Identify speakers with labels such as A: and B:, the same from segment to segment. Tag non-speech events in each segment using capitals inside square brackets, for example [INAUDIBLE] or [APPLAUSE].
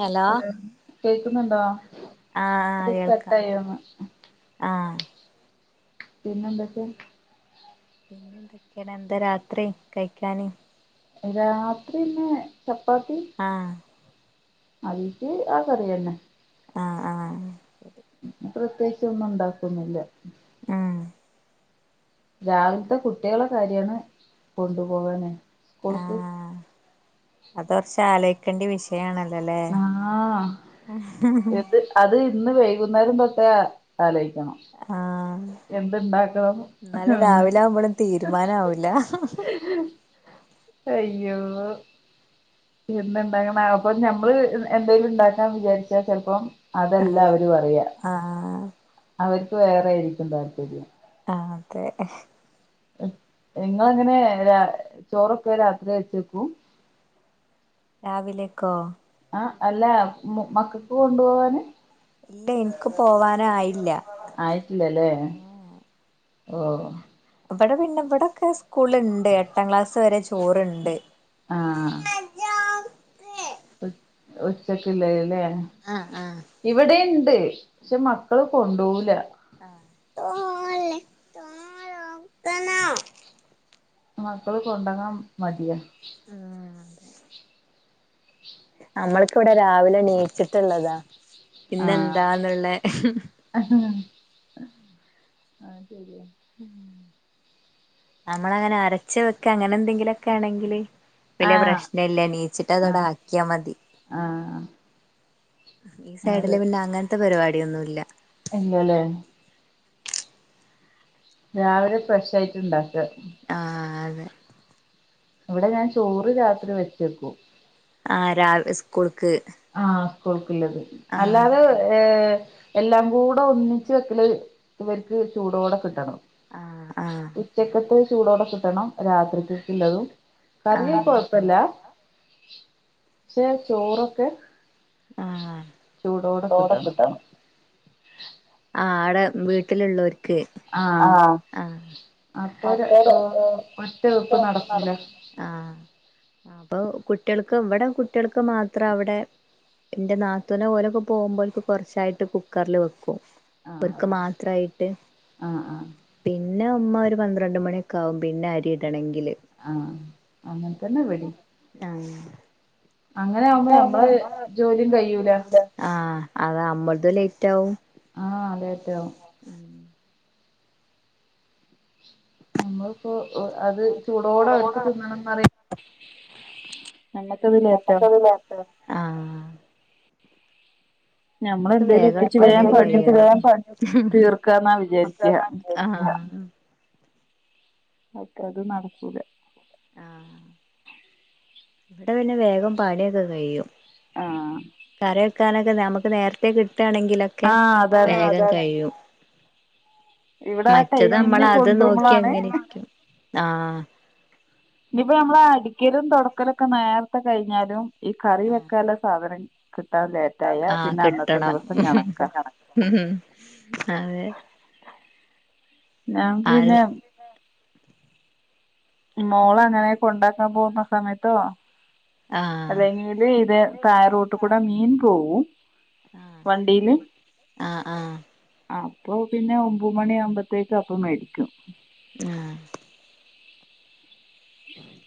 A: Hello
B: [UNINTELLIGIBLE]
A: ആഹ് ആഹ്
B: ഒരു
A: കേൾക്കാം
B: കട്ടായി ന്ന് തോന്ന്
A: ആഹ്
B: പിന്നെന്തൊക്കെ
A: പിന്നെ എന്തൊക്കെയാണ് എന്താ രാത്രി കഴിക്കാന്
B: രാത്രി ന്നെ ചപ്പാത്തി
A: ആഹ്
B: അയിക്ക് ആ കറിയന്നെ
A: ആ ആ
B: പ്രത്യേകിച്ച് ഒന്നും ഉണ്ടാക്കുന്നില്ല
A: ആ
B: രാവിലത്തെ കുട്ടികളെ കാര്യാണ് കൊണ്ടു പോകാന് സ്കൂൾക്
A: ആഹ് അത് കുറച്ച് ആലോയ്ക്കേണ്ട വിഷയണല്ലോ
B: ആഹ എത് അത് ഇന്ന് വൈകുന്നേരം തൊട്ടേ അലോ
A: ആ എന്നാലെ
B: എന്ന്
A: രാവിലെ ആകുമ്പോഴും തീരുമാനം ആവില്ല
B: അയ്യോ ഇന്ന് ഇണ്ടായ, അപ്പൊ നമ്മള് എന്തേലും ഉണ്ടാക്കാന്ന് വിചാരിച്ചാൽ ചെലപ്പം അതല്ല അവ
A: ആ ആ
B: അവർക്ക് വേറായിരിക്കും താല്പര്യം
A: ആഹ് അതെ
B: നിങ്ങങ്ങനെ ചോറൊക്കെ രാത്രി വെച്ചേക്കൂ
A: രാവിലെക്കോ
B: ആ അല്ല മക്കൾക്ക് കൊണ്ടു പോവാന്
A: ഇല്ല എനിക്ക് പോവാന് ആയില്ല
B: ആയിട്ടില്ലല്ലേ ഓ
A: ഇവിടെ പിന്നെ ഇവിടെക്കെ സ്കൂളുല്ണ്ട്, എട്ടാം ക്ലാസ് വരെ ചോറുണ്ട്
B: ആ ആ ഉ ഉച്ചക്കുള്ളല്ലേ ഇവിടീം ണ്ട് പക്ഷെ മക്കള് കൊണ്ടുപോകൂല
A: [UNINTELLIGIBLE]
B: മക്കള് കൊണ്ടോകാൻ മടിയാ
A: ആ നമ്മൾക്ക ഇവിടെ രാവിലെ ണീച്ചിട്ടുള്ളതാ ഇന്ന്
B: ആഹ്
A: എന്താന്നുള്ള
B: ആ ശരിയ
A: നമ്മൾ അങ്ങനെ അരച്ച വെക്ക അങ്ങനെ എന്തെങ്കിലുംക്കെ ആണെങ്കില് വലിയ
B: ആഹ്
A: പ്രശ്ന ഇല്ല നീച്ചിട്ട അവടെ
B: ആഹ്
A: ആക്കിയാ മതി
B: ആഹ്
A: ഈ സൈഡില് പിന്നെ അങ്ങനത്തെ പരിപാടിയൊന്നുമില്ല
B: ഇല്ലലെ രാവിലെ ഫ്രഷ് ആയിട്ട് ഇൻണ്ടാക്ക
A: ആ അതെ
B: ഇവിടെ ഞാൻ ചോറ് രാത്രി വെച്ചേക്കൂ
A: ആ രാവിലെ സ്കൂൾക്ക്
B: ആ സ്കൂൾക്കുള്ളത്
A: ആ
B: അല്ലാതെ ഏ എല്ലാം കൂടെ ഒന്നിച്ച് വെക്കല് ഇവർക്ക് ചൂടൊടെ കിട്ടണം
A: ആ ആ
B: ഉച്ചക്കത്ത് ചൂടോടെ കിട്ടണം രാത്രിക്കൊക്ക ഉള്ളതും
A: ആ
B: കറിയക്കേ കൊഴപ്പല്ല പക്ഷെ ചോറൊക്കെ
A: ആ ചുടോടെ കിട്ടണം ആ അവടെ വീട്ടിലുള്ളവർക്ക് ആ
B: ആഹ്
A: ആ
B: അപ്പൊ ഒരു ഒറ്റ വെപ്പ് നടക്കൂല
A: [UNINTELLIGIBLE] അപ്പൊ കുട്ടികൾക്ക് ഇവിടെ കുട്ടികൾക്ക് മാത്രം അവിടെ എന്റെ നാത്തൂന് ഓല്ക്കെ പോകുമ്പോഴേക്ക് കൊറച്ചായിട്ട് കുക്കറിൽ വെക്കും
B: ആഹ്
A: ഒര്ക് മാത്രായിട്ട്
B: ആഹ് ആഹ്
A: പിന്നെ ഉമ്മ പന്ത്രണ്ട് മണിയൊക്ക ആകും പിന്നെ അരി ഇടണെങ്കിൽ
B: ആ അങ്ങനെത്തന്നെ ഇവടിം കഴിയൂല
A: ആ അമ്മളതും ലേറ്റ് ആവും
B: ആ ലൈറ്റാവും
A: ഉം
B: നമ്മളിപ്പോ അത് ചൂടോടെ അവര്ക്ക് തിന്നണംന്ന് പറയൂ
A: ആ നമക്ക്
B: ഞമ്മളെന്തേലും
A: വേഗം
B: ഒപ്പിച്ച്
A: പണികഴിയണം
B: പണി തീർക്കാന്നാ വിചാരിക്ക മറ്റത് നടക്കൂല
A: ആഹ് ഇവിടെ പിന്നെ വേഗം പണിക്കെ കഴിയും
B: ആഹ്
A: കറിക്കാനൊക്കെ നമുക്ക് നേരത്തെ കിട്ടാണെങ്കിലൊക്കെ
B: ആഹ് അതാണ്
A: വേഗം കഴിയും
B: ഇവിടെ ആ
A: മറ്റത്
B: ടൈമിങ്ങിന്
A: അമ്മള് അത്
B: കൊണ്ടുവരുമ്പോളാണ്
A: നോക്കിയങ്ങനെര്ക്കും ആ
B: ഇനിയിപ്പ നമ്മള അടിക്കലും തൊടക്കലൊക്കെ നേരത്തെ കഴിഞ്ഞാലും ഈ കറി
A: ആഹ്
B: വെക്കാന സാധനം കിട്ടാൻ ലേറ്റായ
A: ആഹ്
B: പിന്നെ അന്നത്തെ
A: കിട്ടണം
B: ദെവസം കണക്ക [INAUDIBLE]
A: ഉം അതെ
B: ഞാൻ
A: ആഹ്
B: പിന്നെ മോള അങ്ങനെ കൊണ്ടാക്കാൻ പോവുന്ന സമയത്തോ
A: ആഹ്
B: അല്ലെങ്കില് ഇത് തായെ റോട്ട് കൂടെ മീൻ പോവും
A: ആഹ്
B: വണ്ടിയില്
A: ആഹ് ആഹ്
B: ആ അപ്പൊ പിന്നെ ഒമ്പ മണിയ ആകുമ്പോത്തേക്ക അപ്പ മേടിക്കും
A: ആഹ്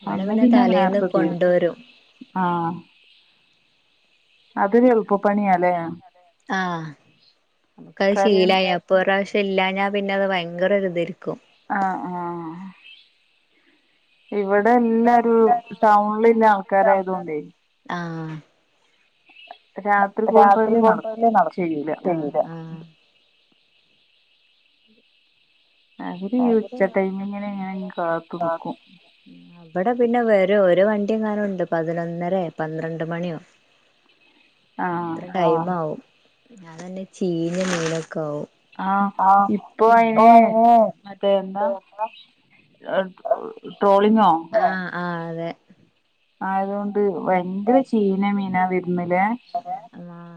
A: ഇവിടെ
B: അന്ന്
A: പിന്നെ
B: പിന്നാ
A: തലേന്ന്
B: നേരത്തെ തീത്
A: കൊണ്ടുവരും
B: ആഹ് ഇരി എളുപ്പപ്പണിയല്ലേ
A: ആഹ് നമുക്കത് ശീലായി അപ്പൊ ഒരാവശ്യം ഇല്ലഞ്ഞാ പിന്നെ അത് ഭയങ്കര ഒരിതായിരിക്കും
B: ആഹ് ആഹ് ഇവടെ എല്ലാരും ടൗൺലില്ല ആൾക്കാരായത് കൊണ്ടേ
A: അപ്പ രാത്രി പോണ്ടല്ലേ നടക്കും ന്താ
B: അവര്
A: [INAUDIBLE]
B: ഈ ഉച്ച ടൈമിങ്ങിന് ഇങ്ങനെ കാത്തു നിക്കും
A: ഒരു ഒരു വണ്ടി എങ്ങാനുണ്ട് പതിനൊന്നരെ പന്ത്രണ്ട് മണിയോ
B: ആ
A: അത്ര ടൈം ആവും ന്നാ തന്നെ ചീഞ്ഞ മീന ക്കാവും
B: ആ
A: ആഹ് ഇപ്പോ
B: പിന്ന എ
A: ആഹ് ആഹ് അതെ
B: ആയതോണ്ട് ഭയങ്കര ചീന മീനാ വരുന്നില്ലേ
A: ആഹ്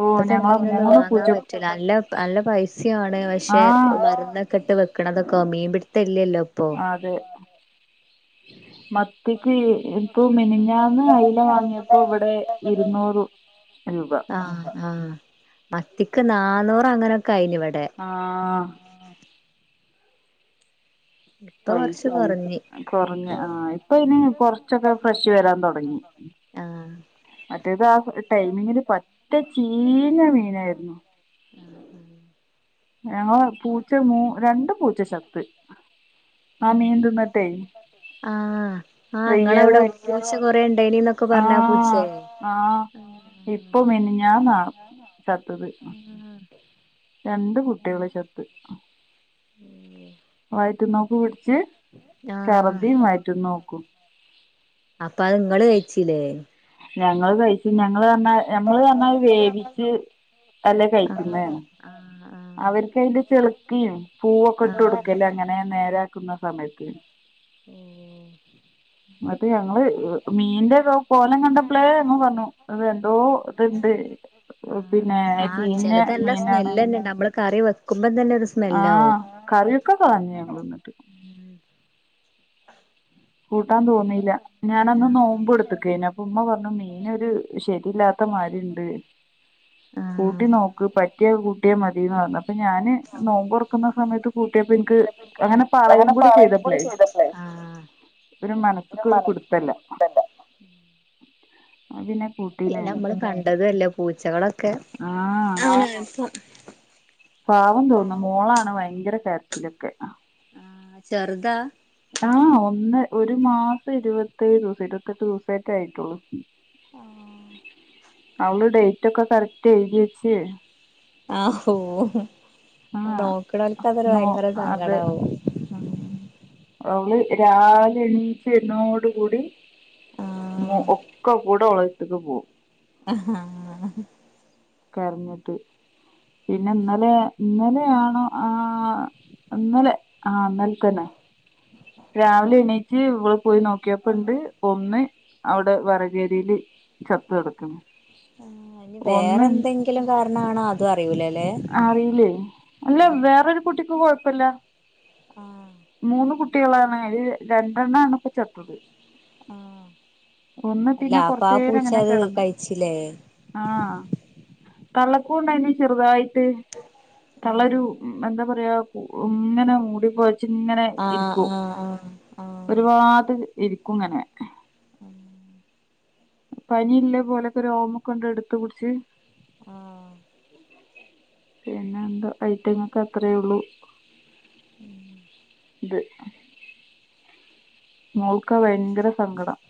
B: ഓ
A: ഇപ്പത്തെ
B: ഞങ്ങളെ
A: മീനൊന്നും
B: മൂന്ന്
A: വാങ്ങാൻ
B: പൂച്ച
A: പറ്റൂല്ല നല്ല നല്ല പൈസയാണ് പക്ഷെ
B: ആഹ്
A: മരുന്ന കെട്ട് വെക്കണതൊക്കെ മീൻ പിടുത്തല്ലല്ലോ ഇപ്പൊ
B: അതെ [UNINTELLIGIBLE] മത്തിക്ക് ഇപ്പൊ മിനിഞ്ഞാന്ന് അയില വാങ്ങിയപ്പോ ഇവിടെ ഇരുന്നൂറ് രൂപ
A: ആഹ ആഹ മത്തിക്ക് നാന്നൂർ അങ്ങനെ
B: ആഹ
A: ഇപ്പ കുറച്ച് കുറഞ്ഞു
B: കുറഞ്ഞ ആഹ ഇപ്പൊ ഇന് കൊറച്ചൊക്കെ ഫ്രഷ് വരാൻ തുടങ്ങി
A: ആഹ്
B: മറ്റേത് ആ ടൈമില് പറ്റേ ചീഞ്ഞ മീനാരുന്നു
A: ആഹ് ആഹ്
B: ഞങ്ങളാ പൂച്ച മൂ രണ്ട് പൂച്ചച്ചത്ത് ആ മീന്തുന്നട്ടേ
A: ആഹ് ആഹ് ങ്ങളവ്ടെ പൂച്ച കൊറേ ണ്ടായിനി ന്നൊക്കെ പറഞ്ഞാ
B: ആഹ്
A: പൂച്ചേ
B: ആഹ് ഇപ്പൊ മിനിഞ്ഞാന്നാ ചത്തത്
A: ആഹ്
B: ര കുട്ടികള് ചത്ത്
A: ഓഹ്
B: വയറ്റ്നോക്ക് പിടിച്ച്
A: ആഹ്
B: ഛർദി വയറ്റ്നോക്കും
A: അപ്പൊ അത്ങ്ങള് കഴിച്ചില്ലേ
B: ഞങ്ങള് കഴിച്ചു ഞ ഞമ്മള് അർഞ്ഞാ ഞമ്മള് പർഞ്ഞാ വേവിച്ച് അല്ലേ
A: ആഹ്
B: കഴിക്കുന്നേ
A: ആഹ് ആഹ്
B: അവര്ക്ക് അയിന്റെ ചെളുക്കിം പൂവൊക്കെ ഇട്ട്
A: ആഹ്
B: കൊടുക്കല്ലേ അങ്ങനെ നേരാക്കുന്ന സമയത്ത്
A: ഓ
B: ന്ന്ട്ട് ഞങ്ങള് മീന്റെ കോലം കണ്ടപ്പളേ പറഞ്ഞു അത് എന്തോ ഇത്ണ്ട്
A: ആഹ്
B: പിന്നെ
A: ആഹ്
B: ചീന
A: ചെലത് നല്ല
B: മീനാണ്.
A: സ്മെല്ലെന്നെണ്ട് നമ്മള് കറി വെക്കുമ്പം തന്നെ ഒരു
B: ആ
A: സ്മെല്ലാവും
B: കറിയൊക്കെ കളഞ്ഞു ന്നിട്ട്
A: ഉം
B: കൂട്ടാൻ തോന്നീല്ല ഞാനന്ന്
A: ആഹ്
B: നോമ്പ് എടുത്തക്കെന്നു അപ്പ മ്മ പറഞ്ഞു മീനൊരു ശരിയില്ലാ ത്ത മാരിണ്ട്.
A: ആഹ്
B: കൂട്ടി നോക്ക് പറ്റിയ കൂട്ടിയ മതിന്നറഞ്ഞു അപ്പൊ ഞാന് നോമ്പൊറക്കുന്ന സമയത്ത് കൂട്ടി പ്പ ൻക്ക് അങ്ങനെ പറയും കൂടി ചെയ്തപ്പ്ളേ ഒരു മനസ്ക്കൊരു പിടുത്തല്ല ഞാ പിന്നെ കൂട്ടീന്
A: പിന്നെ
B: ഞാൻ
A: മ്മള് കണ്ടതു അല്ലേ പൂച്ചകളൊക്കെ
B: ആ പാവം തോന്നും മോളാണ് ഭയങ്കര കരച്ചിലൊക്കെ
A: ആ ചെർദാ
B: ആ ഒന്ന് ഒരു മാസം ഇരുപത്തേഴ് ദിവസൊ ഇരുപത്തെട്ട് ദിവസ റ്റെ ആയിട്ടുള്ളൂ
A: ആ
B: അവള് ഡെയ്റ്റ് ഒക്കെ കററ്റ് എഴുതി വെച്ച്
A: ആ ഹോ
B: ആ
A: അത് നോക്ണോൽക്ക് അതൊരു
B: നോ
A: ഭയങ്കര
B: അതെ
A: സങ്കടാവും.
B: അവള് രാവിലെ എണീച്ച് വരുന്നോട് കൂടി
A: ആഹ്
B: ഒക്കെ കൂടെ ഓളര്ത്ത്ക്ക് പോവും.
A: അ
B: കരഞ്ഞിട്ട് പിന്നെ ഇന്നലെ ഇന്നലെ യാണോ ആ ഇന്നലെ ആ ഇന്നല തന്നെ രാവിലെ എണീറ്റ് ഇവള് പോയി നോക്കിയപ്പോ ഇണ്ട് ഒന്ന് അവിടെ വറകേരിയില് ചത്ത് കെടക്കുന്നു
A: നി വേറെ എന്തെങ്കിലും കാരണാ ണോ അതും അറിയൂലല്ലേ
B: അറിയില്ലേ അല്ല
A: ആഹ്
B: വേറൊരു കുട്ടിക്കും കൊഴപ്പല്ല മൂന്ന് കുട്ടികളാണ്. അയില് രണ്ടെണ്ണാണ് പ്പ ചത്തത്.
A: ആഹ്
B: ഒന്ന്
A: അല്ല
B: പിന്നെ
A: അപ്പൊ ആ
B: കൊർച്ചേരം
A: പൂച്ച
B: അങ്ങനെ
A: അത്
B: കെടന്ന്
A: കഴിച്ചില്ലേ
B: ആ തള്ളക്കൂണ്ടായിന്ന് ചെർതായിട്ട് തള്ളരു
A: ആഹ്
B: എന്താ പറയാ ഇങ്ങനെ മൂടിപ്പോ ച്ചിങ്ങനെ ഇരിക്കും
A: ആഹ് ആഹ് ആഹ്
B: ഒരുപാത്ത് ഇരിക്കും ഇങ്ങനെ [INAUDIBLE] പനി ഇല്ല പോലൊക്കെ രോമക്കണ്ട് ഇട്ത്ത് പുട്ച്ച്
A: ആഹ് ആഹ്
B: പിന്നെ എന്താ ഐറ്റങ്ങക്കെ അത്രയേള്ളു [UNINTELLIGIBLE] മോൾക്കാ ഭയങ്കര സങ്കടം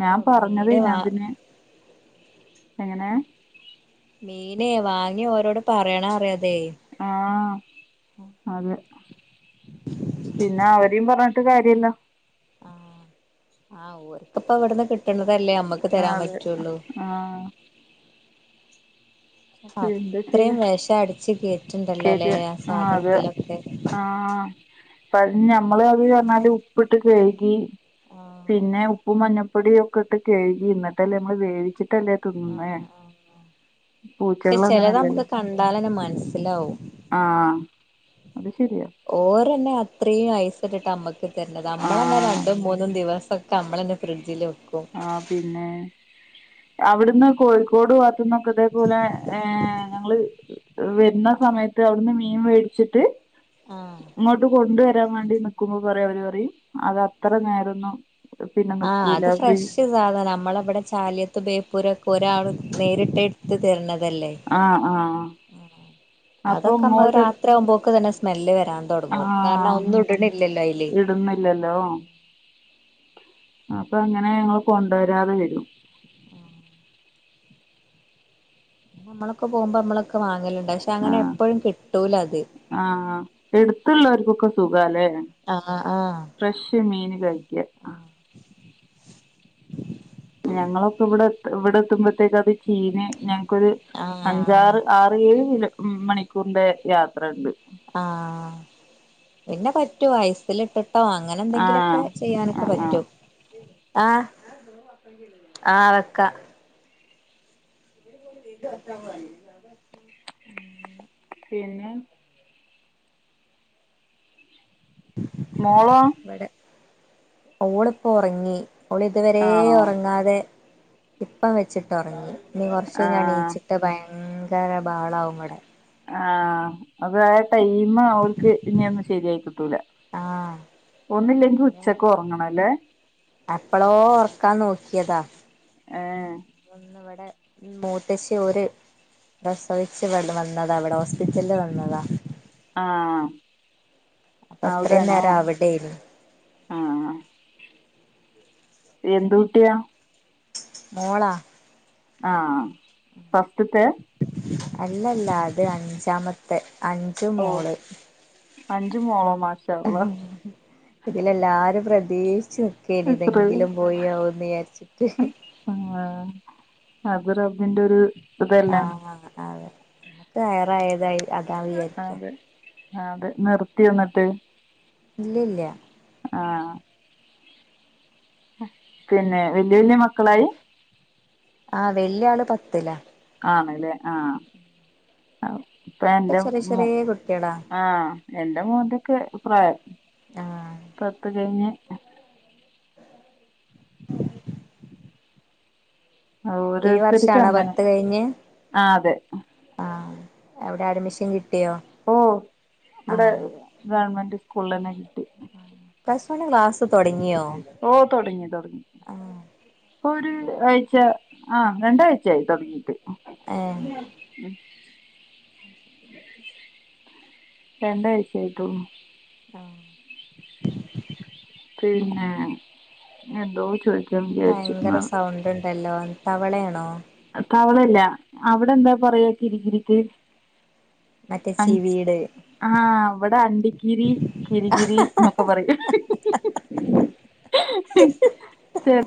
B: ഞാൻ പറഞ്ഞത്
A: മീന്
B: പിന്നെ
A: വാ
B: അതിന് എങ്ങനെ
A: [UNINTELLIGIBLE] വാങ്ങി ഓരോട് പറയണ അറി
B: ആ അതെ പിന്നെ അവരിം പർഞ്ഞിട്ട് കാര്യല്ല
A: ആഹ് ആഹ് ഓർക്കപ്പ എവിടുന്ന് കിട്ടണതല്ലേ അമ്മക്ക്
B: ആഹ്
A: തരാൻ
B: അതെ
A: പറ്റുള്ളു
B: ആഹ് എന്താ
A: അത്രിം
B: ചെയ്യാ
A: വെഷം അടിച്ച് കേറ്റിണ്ടല്ലോല്ലേ ആ സാധനത്തിലൊക്കെ
B: ആ അ ഞമ്മള് അത് പറഞ്ഞാല് ഉപ്പിട്ട് കഴുകി
A: ആഹ്
B: പിന്നെ ഉപ്പും മഞ്ഞ പ്പൊടിം ഒക്കെ ഇട്ട് കഴുകി ഇന്നിട്ടല്ലേ നമ്മൾ വേവിച്ചിട്ടല്ലേ തിന്നുന്നേ
A: ആഹ് ആഹ് പക്ഷെ
B: പൂച്ചകൾ
A: ചെലത് നമുക്ക്
B: അങ്ങനെയല്ലല്ലോ
A: കണ്ടാലന്നെ മനസ്സിലാവും
B: ആഹ് അത് ശരിയാ
A: ഓരന്നെ അത്രയും ആയസ ഇട്ടിട്ട് അമ്മക്ക് തരണത് നമ്മളന്നെ
B: ആഹ്
A: രണ്ടും മൂന്നും ദിവസം കമ്മളന്ന ഫ്രഡ്ജില്
B: ആ പിന്നെ അവിടുന്ന് കോഴിക്കോട് നക്ക അതേപോലെ ഞങ്ങള് വരുന്ന സമയത്ത് അവിടുന്ന് മീൻ മേടിച്ചിട്ട്
A: ആഹ്
B: ഇങ്ങോട്ട് കൊണ്ടുവരാൻ വേണ്ടി നിക്കുമ്പോ പറയാ അവര് പറയും അത അത്ര നേരൊന്ന പിന്നെ
A: ആഹ്
B: നിക്കൂല
A: അത്
B: ഫ്രീ
A: ഫ്രഷ് സാധനം നമ്മളവിടെ ചാലിയത്ത് ബേപ്പൂരമൊക്കെ ഒരാൾ നേരിട്ട് എടുത്ത് തരത്
B: ആഹ് ആഹ് അപ്പൊ
A: അതൊക്കെമ്മ രാത്രി ആവുമ്പോക്ക തന്നെ സ്മെല്ല് വരാൻ തുടങ്ങും കാരണം
B: ആഹ
A: ഒന്നും ഇടണില്ലല്ലോ അയില്
B: ഇടുന്നില്ലല്ലോ അപ്പൊ അങ്ങനെ ഞങ്ങള്ൾ കൊണ്ട വരാതെ വരും
A: നമ്മളക്കെ പോകുമ്പോ നമ്മളക്കെ വാങ്ങലുണ്ട് പക്ഷെ അങ്ങനെ
B: ആഹ
A: എപ്പോഴും കിട്ടൂല അത്
B: ആഹ എടുത്തുള്ളവർക്കൊക്കെ സുഖല്ലേ
A: ആഹ ആഹ
B: അതക്കെ
A: [UNINTELLIGIBLE]
B: ഞങ്ങളൊക്കെ ഇവിടെ ഇവിടെ എത്തുമ്പോഴത്തേക്ക അത് ചീന ഞങ്ങക്കൊരു
A: ആഹ്
B: അഞ്ചാറ് ആറ് ഏഴ് കില ഉ മണിക്കൂറിന്റെ യാത്ര ഉണ്ട്
A: ആഹ പിന്നെ പറ്റൂ വയസൽിട്ടിട്ട കേട്ടോ അങ്ങനെ എന്തെങ്കിലുംക്കെ
B: ആഹ്
A: ചെയ്യാനൊക്കെ
B: ആഹ് ആഹ്
A: പറ്റും ആഹ ആ വെക്ക ചർത്താ പറ
B: പിന്ന മോളോ
A: ഇവിടെ ഓളിപ്പോ ഒറങ്ങി ഓള് ഇതുവരേ
B: ആണോ
A: ഒറങ്ങാതെ ഇപ്പം വെച്ചിട്ട് ഒറങ്ങി ഇനി കൊറച്ച് കഴിഞ്ഞ്
B: ആഹ്
A: അണീച്ചിട്ട് ഭയങ്കര ബഹളാവും ഇവിടെ
B: ആഹ് അതാ ടൈമ് അവർക്ക് ഇനിയൊന്ന് ശെരിയായി കിട്ടൂല
A: ആഹ്
B: ഒന്നില്ലെങ്കിൽ ഉച്ചക്ക് ഒറങ്ങണം അല്ലേ
A: അപ്പളോ ഒർക്കാൻ നോക്കിയതാ
B: ഏഹ്
A: മൂത്തശ്ശി ഒര് പ്രസവിച്ച് കൊണ്ട് വന്നതാ ഇവിടെ ഹോസ്പിറ്റലില് വന്നതാ
B: ആഹ്
A: അപ്പൊ
B: ആ
A: ഇത്രയും
B: അവിടെയാണോ
A: നേരം അവിടെയ്നു
B: ആഹ് എന്ത് കുട്ടിയാ
A: മോളാ
B: ആഹ് ഫസ്റ്റ്ത്തെ
A: അല്ലല്ലാ ഇത് അഞ്ചാമത്തെ അഞ്ചു മോള്
B: അഞ്ചു മോളോ മാഷാ
A: ഇതിലല്ലാ ആരും പ്രതീഷ് ചുക്കന്
B: അള്ളാ
A: ഇതെങ്കിലും പോയിയാവുന്ന് വിചാരിച്ചിട്ട്
B: ആഹ് അത് റബ്ബിന്റെ ഒരു ഇതല്ലേ
A: വയറെയതായി അതാ വിചാരിക്കും
B: ആ അതെ നിർത്തിയോ എന്നിട്ട്
A: ഇല്ലില്ല
B: ആഹ് പിന്നെ വല്ല്യ വല്ല്യ മക്കളായി
A: ആഹ് വെല്ല്യ ആള് പത്തിലാ
B: ആണല്ലേ ആഹ് ഇപ്പം
A: ഒക്കെ
B: എൻ്റെ
A: ചെറിയ
B: മോ
A: ചെറിയ കുട്ടികളാ
B: ആഹ് എൻ്റെ മോന്റൊക്കെ പ്രായം
A: ആഹ്
B: പത്ത് കഴിഞ്ഞ്
A: ഈ
B: ഓരോരുത്തര്ക്കും
A: വർഷാണോ
B: അങ്ങനെ
A: പത്ത് കഴിഞ്ഞ്
B: ആ അതെ
A: ആഹ് എവിടെ അഡ്മിഷൻ കി
B: ഓ ഇവിടെ ഗവണ്മെന്റ് സ്കൂളന്നെ കിട്ടി
A: പ്ലസ് വണ്ണ് ക്ലാസ് തൊടങ്ങിയോ
B: ഓ തൊടങ്ങി തൊടങ്ങി
A: ആഹ്
B: ഒരു ആഴ്ച ആഹ് രണ്ടാഴ്ചയായി തൊടങ്ങീട്ട്
A: ഏഹ്
B: രണ്ടാഴ്ച്ചായിട്ടോ
A: ആഹ്
B: പിന്നെ എന്തോ ചോദിക്കാൻ
A: അ
B: വിചാരിച്ചു
A: ഭയങ്കര സൗണ്ട് ഉണ്ടല്ലോ തവളയാണോ
B: തവളയല്ല അവിടെ എന്താ പറയാ കിരികിരിക്ക്
A: മറ്റേ ചീവീട്
B: ആഹ് ഇവിടെ അണ്ടിക്കിരി കിരികിരി എന്നൊക്കെ പറയും ച